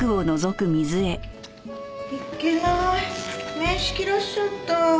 いけない名刺切らしちゃった。